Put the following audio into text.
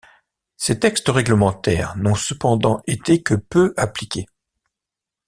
Ces textes réglementaires n'ont cependant été que peu appliqués.